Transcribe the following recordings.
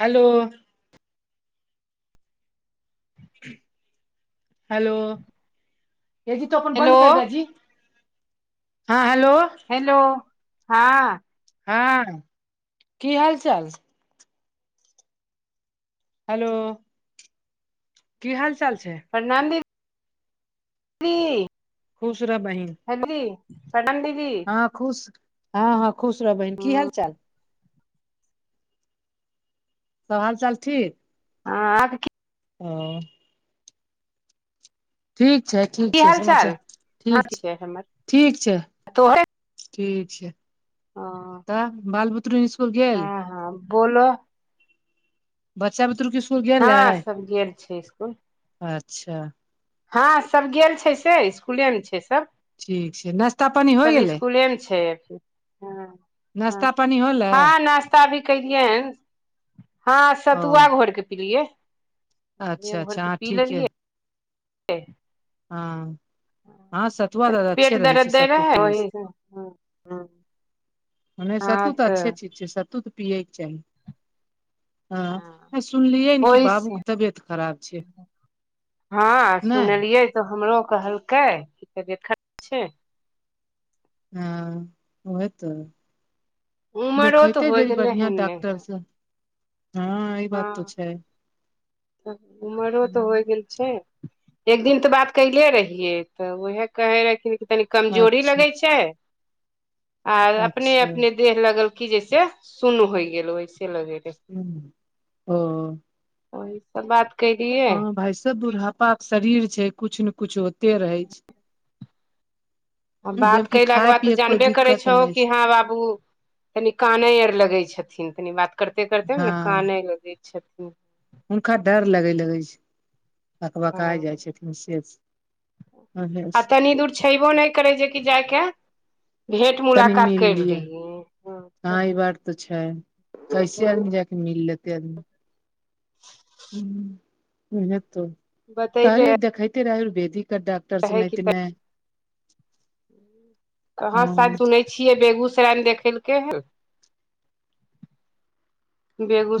hello hello ए जी तो अपन हेलो बन्द कर द जी हँ हेलो हेलो हँ हँ की हाल चाल हेलो की हाल चाल छै प्रणाम दी दी खुश रह बहिन हे जी प्रणाम दीदी हँ खुश हँ हँ खुश रह बहिन की हाल चाल सब हाल चाल ठीक हँ आब कियै ओ ठीक छै ठीक की छै हाल चाल समाचार ठीक छै ठीक छै तोहर ठीक छै हँ तऽ बाल बुतरू इस्कुल गेल बोलऽ बच्चा भुतरूक स्कुल गेलै हँं सब गेल छै इसकुल अच्छा हँ सब गेल छै से इसकुलेमे छै सभ ठीक छै नाश्ता पानी होइ सब गेलै इसकुलेमे छै अभी हँ ह नाश्ता पानी होलै हँ नास्ता अभी कयलियै हन हँ ओ सतुआ घोइर के पिलियै सतुए अच्छा घोर अच्छा के हँ पी ठीके लेलियै हँ हँ सतुआ तऽ पेट अच्छे रहै छै दरद दै सतू रहै पीयै से ओहि हँ हँ, नहि सत्तू तऽ अच्छे चीज छै सत्तू तऽ पियैके चाही हँ आ सुनलियै ने कि ओहिस बाबूके तबियत खराब छै हँ नहि सुनलियै तऽ हमरो कहलकै जे खराब छै हँ ओहे तऽ उमरो देखय तऽ ते होइ जनि गेलै बढ़िया हन ने डॉक्टरसँ हँ ई बात तऽ छै उमरो तऽ होइ गेल छै एक दिन तऽ बात कैले रहियै तऽ उहे कहे रहथिन की तनी कमजोरी अच्छा लगै छै आ अपने अच्छा अपने देह लगल की जैसे सुन होइ गेल वैसे लगे रहय ह ओह सब बात कै हँ भाय सब बुढ़ापा के शरीर छै किछु ने कुछ होते रहै छै आ बात जबकि कयलाके खाय बाद तऽ पियैके कोइ जानबे करै दिक्कत छहो नहि कि छै हँ बाबू कनि कानै आर लगै छथिन तनी बात करते करिते ने हँ काने लगै छथिन हुनका डर लगे लगै छै बकबकाय हँ जाइ छथिन से आ तनी दूर छयबो नहि करै छै कि जायके भेंट तनी मुलाकात मिल कर लियै लि हऽ हँ ई बात तऽ छै कैसे तऽ आदमी जाके मिल लेतै आदमी [inaudible] [unintelligible] तर बतैले सुने थिने हाँ सायल सुनै छै छियै बेगूसरायमे देखेलके हन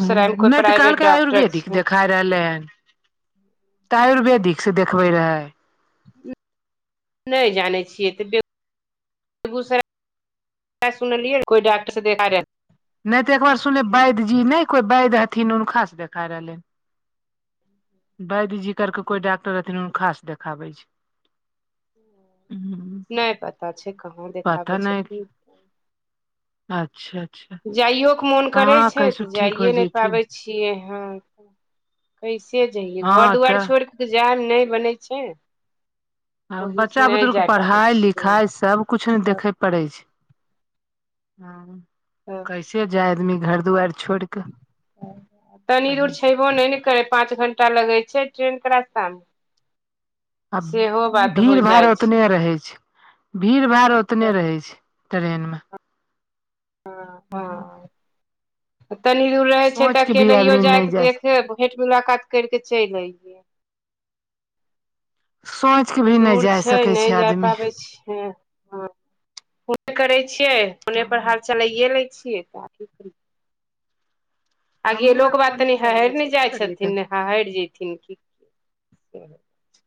ह कोइ नहि तऽ प्राइवेट कहलकै डॉक्टर आयुर्वेदिक छै देखाय रहलै हन तऽ आयुर्वेदिक से देखबे रहै नहि जानै छियै तऽ बेगूसराय सुनलियै कोइ डॉक्टरसँ देखा यऽ दे रहे नहि तऽ एकबार सुनलेै वैद्य जी नहि कोइ वैद्य हथिन हुनकासँ देखा रहलैनि वैध जी करके कोइ डॉक्टर रहथिनक हुनका स देखाबै छै नहि पता छै कहाँ पता देखाबै नहि छथिन अच्छा अच्छा जाइयो के मोन करे हँ छै कैसो तऽ ठीक हो जाइए नहि जयथिन पाबैत छै छियै हँ कैसे जइये हँ घर दुआरि तऽ छोड़ कऽ जाइब नहि बनै छैने हॅं बच्चा बुतरु के पाबै पढ़ाई छियै लिखाई सब कुछु ने सब देखे पड़े छै तऽ कैसे जाय आदमी घर दुआरि छोड़ि तनी दूर छयबो नहि ने करै पाँच घंटा लगै छै ट्रेनके रास्तामे आब हो भीड़ भाड़ जाइ छै उतने रहै छै भीड़ भाड़ ओतने रहे छै ट्रेन मे हाँ हँ तनी दूर रहै छै सोचि तऽ कऽ भी अकेलैयो आदमी नहि जायकेऽ जाय देखे लेब भेट मुलाकात करि के चलि एब सात [unintelligible] दूर छै नहि जाय पाबै छिये हँ फोन करै छियै फोने हँ पर हाल चलाइए लैए छियै अब की करी आगे हमहूँ आर लोक बात फोने तनि करि लै हहरि छी ने की जाइ करियै छथिन तऽ ने हहरि जायथिन की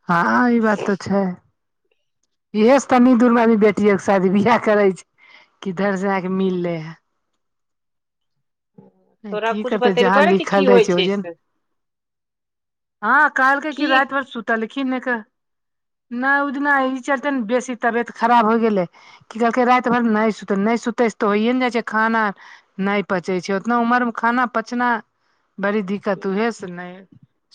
हँ ई बात तऽ छै इहे से तनी दूर मे आदमी बेटियो के शादी बियाह करे छै किधर से आके मिल ले है तोरा की कुछ करतै जहाँ बतेलको रे कि की लिखल रहै होइ छै ओजेन से हँ कहलके की कि राति भर सुतलिखिन ने क ऽ नहि दिना ई चलते ने बेसी तबियत खराब हो गेलै की कहलकै राति भरि नहि सुतै नहि सुतै तऽ होइए न जाइ छै खाना नहि पचै छै उतना उमर मे खाना पचना बड़ी दिक्कत उहै सऽ नहि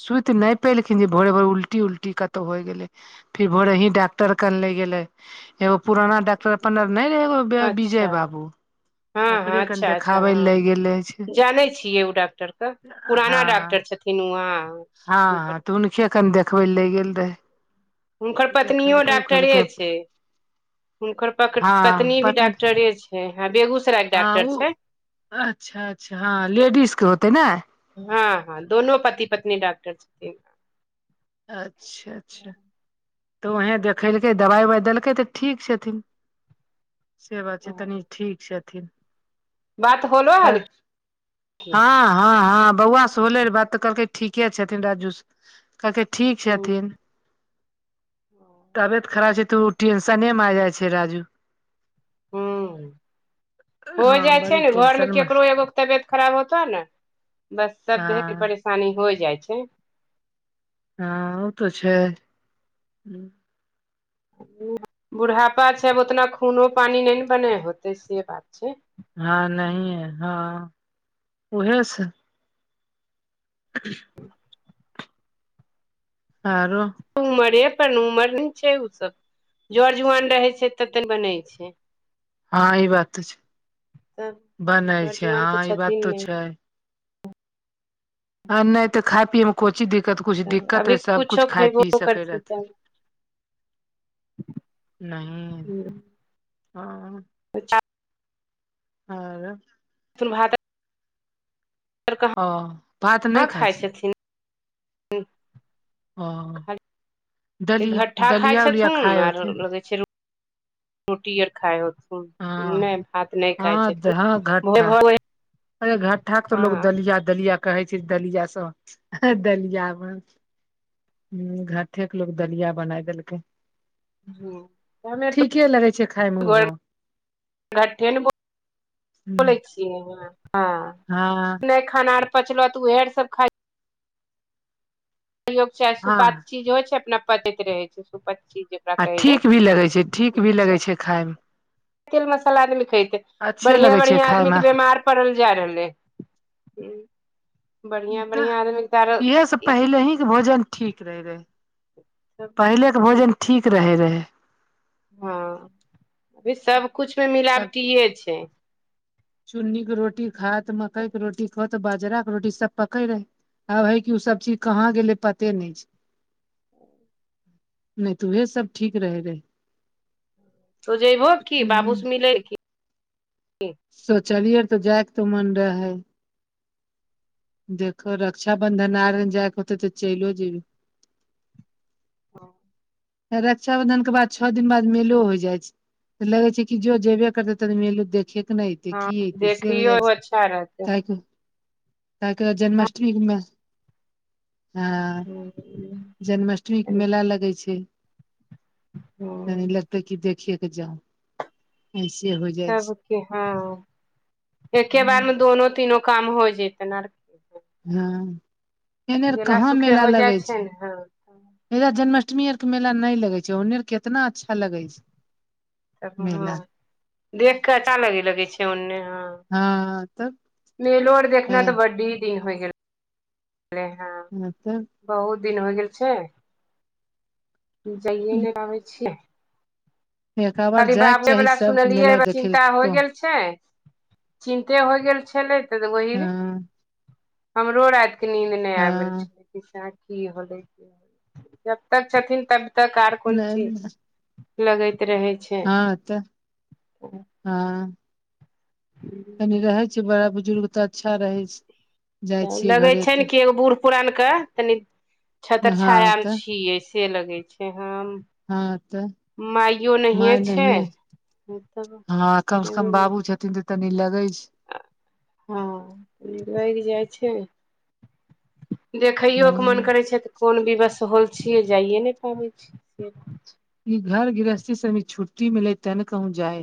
सुति नहि पलखिन जे भोरे भोर उल्टी उल्टी कतहु होइ गेलै फिर भोरे ही डॉक्टर कन ले गेले एगो पुराना डॉक्टर अप नहि रहे एगो अच्छा विजय बाबू [inaudible] हँ हँ कन अच्छा अच्छा देखाबै लए हँ ले गेल रहे छै जानै छियै ओ डॉक्टर के पुराना हँ डॉक्टर छथिन किनुआ हँ ह तऽ हुनके कनि देखबै ले गेल रहय हुनकर पत्नियो डॉक्टरे छै हुनकर प हँ पत्नी भी पता नहि डॉक्टरे छै हँ बेगुसराय हँ उ अच्छा अच्छा हँ लेडीज के होतै ने हँ हँ दोनो पति पत्नी डाॅक्टर छथिन अच्छा अच्छा तऽ उहें देखेलकै दवाई उवाई देलकै तऽ ठीक छथिन से बात छै तनी ठीक छथिन बात होलो कर हलखिन हँ हँ हँ हँ बौआ से होले रहै बात तऽ कहलकै ठीके छथिन राजू कहलकै ठीक छथिन ह [unintelligible] तबियत खराब छै तऽ ओ टेंसनमे आ जाइ छै राजू ह्म हो हँ जाइ छै बड़ी ने घरमे टेंशन मे केकरो एगोके तबियत खराब होतऽ ने बस सभे के हँ परेशानी हो जाइ छै हँ ओ तऽ छै बुढ़ापा छै आब ओतना खूनो पानि नहि ने बनेै होतै से बात छै हँ नहि हँ उहे से [inaudible] आरो उमरे अपन उमर नहि छै ओ सब जर जुआन रहै छै ते बनै छै हँ ई बात तऽ छै तब बनै जर छै हँ जुआन तऽ ई बात छथिन तऽ नहि छै हँ नहि तऽ खाय पियएमे को चीज दिक्कत कुछ तब दिक्कत अभी रहै सबकुछ कुछो खाय खयबो पी सकै करथिन रहथि नहि हँ तऽ च [unintelligible] हँ [unintelligible] सुन भाता [unintelligible] ओ भात नहि कहाँ खाइ छै छथिन ओ खाली दली घट्ठा खाइ दलिया उलिया छथुन खाय आर होथिन लगै छै रोटी आर खाइ हो हँ नहि भात नहि खाइ हँ हँ छथिन भोरे घट्ठा भो अरे घट्ठाक तऽ लोग दलिया दलिया कहै छै दलिया सब दलियामे हँ घट्ठे के लोग दलिया बनाय देलकै हमे ठीके लगै छै खायमे तऽ ओहो हूंम्म ज हँ [unintelligible] हँ नहि खाना आर पचलो तऽ उहेर सब खा सयोग चाहे सुपच चीज हो छै अपना पतैत रहे छै सुपच चीज आ कहै ठीक भी लगे छै ठीक भी लगै छै खायमे तेल मसाला आदमी खेतै अच्छे बढ़ियाँ लगै छै बढ़ियाँ आदमी खायमे तऽ बीमार पढ़ल जा रहलै हँ तऽ इएहसँ पहिले हीके भोजन ठीक रहैत रहै पहिलेके भोजन ठीक रहे रहै हँ अभी सबकुछुमे सब मिलावटिये छै चुन्नी के रोटी खात मकइ के रोटी खात तऽ बाजरा के रोटी सब पकै रहे आब हे क ओ सब चीज कहाँ गेले पते नहि छै नहि तऽ वह सब ठीक रहे तो जैबहो कि रहे बाबूस मिलै की सोचलियै तऽ जायके मन रहे देखो रक्षाबंधन आर जाइके होतै तऽ चलियो जेबी हँ [inaudible] रक्षााबंधनक के बाद छौ दिन बाद मेलो होइ जाइ छै तऽ लगे छै कि जो जेबे करते तनी मेलौ देखे के नेै ए हँ की तऽ से हो देखियौ जाइ अच्छा रहतै छै क काहेकि जन्माष्टमीमे हँ जन्माष्टमी के मेला लगै छै तनी तब लगते को देखि के जाउ ऐसे होइ तबके हँ एके बार मे दोनो तीनों काम हो जेतै आर हँ एने आर गेला कहाँ सुखे मेला हो जाइ लगै छै ने हँ इ जन्माष्टमी आर के मेला न लगे छै ओन्ने आर केतना अच्छा लगै छै तब मेला हँ देख कऽ अच्छा लगे छै ओन्ने हँ हँ तब मेलो आर देखना तऽ हँ बडी दिन होइ गेल ले हँ तब बहुत दिन होइ गेल छै जाइए नहि पाबै छियै एक बार खाली जायके बाबे चाही वला सबके सुनलियै मेला देखे ल चिन्ता हो तो गेल चिन्ते हो गेल छलै तऽ वहि हँ हमरो राति के नींद नहि आबै हँ छै पिसाक की होलै जब तक छथिन तब तक आर कोन चीज नहि लगैत रहै छै हँ तऽ हँ कनि रहै छै बड़ा बुजुर्ग तऽ अच्छा रहै छै जाइ तऽ छियै लगै घरे छै ने तऽ कि एगो बूढ़ पुरान के तनि छतर हँ छाया मे तऽ छियै से लगै छै हम हँ तऽ माइयो नहि माय छै नहिये तब हँ कम से कम बाबू छथिन तऽ तनी लगै छै हँ लागि जाइ छै देखैयो के मन हँ करै छै तऽ कोन विवश होइ छियै जाइए नहि पाबै छियै से ई घर गृहस्थी से छुट्टी मिलै तब ने कहूं जाय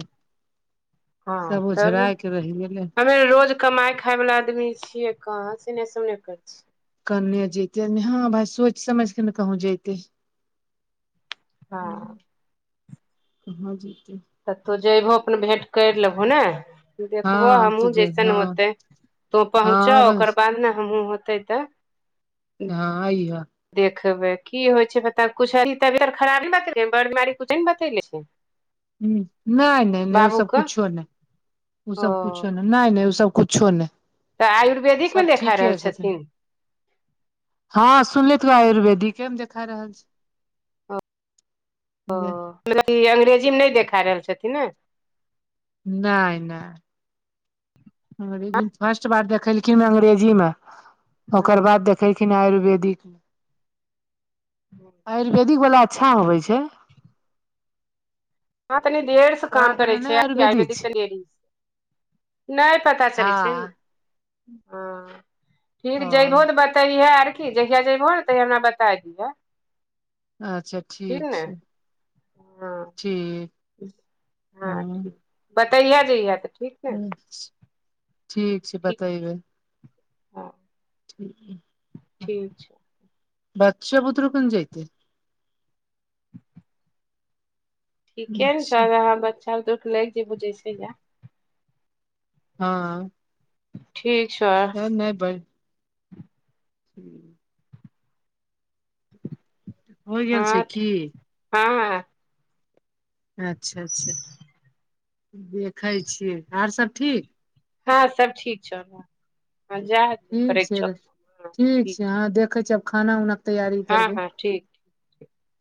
हँ सब तब ओझराय के रहि गेलै रोज कमाय खाय बाला आदमी छियै कहाँ से नहिने करथिन कने जेते हँ भाइ सोचि समझ के ने कहूँ जतै छियै हँ कहाँ जतै तऽ तू जयबहो अपन भेँट करि लेबहो ने देखबो हँ तऽ हमहुँ जे जैसन हँ होते तो पहुँच हँ ओकर बस बाद ने हमूँ होतय तऽ यहां आइह देखबै की होइ छै पता कुछ तबियत खराब ने बतेले बड़ बिमारी कुछ नै ने बतेले छै ह नहि नहि नहि ओ बाबू सब के कुछो नहि ओ सब कुछो नहि नहि नहि ओ सब कुछो नहि तऽ आयुर्वेदिक मे सब देखा रहल ठीके छथिन हँ सुनले त आयुर्वेदिके मे देखा रहल छै [inaudible] ओ ई अंग्रेजीमे नहि देखा रहल छथिन ने नहि नहि अंग्रेजी फर्स्ट बार देखेलखिन अंग्रेजी मे ओकर हँ बाद देखखिन आयुर्वेदिक आयुर्वेदिक वालला अच्छा होवे छै हँ तनी देर से तोरा काम आर करै दने नहि छै आ आयुर्वेदिक छै तनि देरी नहि पता चलै छै ने हँ ठीक हँ जैबहो तऽ ओ बतैहेऽ आर के जहिया जैबहो ने तहिया हमरा बताय दिहऽ अच्छा ठीक ने ह हू हँ ठीक बतैहै जैयहै तऽ ठीक ने ठीक छै बतेबै हँ ठीक ये ठीक छै अच्छह बदरू के नऽ जाइत ठीके ने छै अच्छा आब आहाँ बच्चा दुख लागि जेय बुझे छै या हँ ठीक छै बनैबै [unintelligible] होइ गेल छै हँ की हँ अच्छा अच्छा देखै छियै और सब ठीक हँ सब ठीक छै हँ जा ठीक करैके छै छौ र ठीक छै अहाँ देखै छी आब खाना उना तैयारी हँ करबै हँ ठीक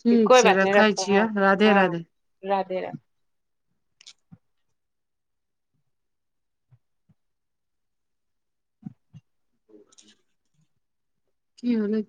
ठीक कोइ छै बात नहि रखै रखो छियै हँ राधे हँ राधे राधे राधे की भेलै